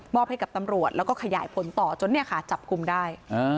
มอบให้กับตำรวจแล้วก็ขยายผลต่อจนจับคุมได้